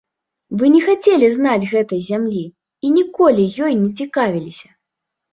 Вы не хацелі знаць гэтай зямлі і ніколі ёю не цікавіліся.